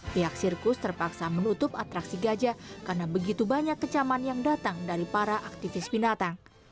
pihak sirkus terpaksa menutup atraksi gajah karena begitu banyak kecaman yang datang dari para aktivis binatang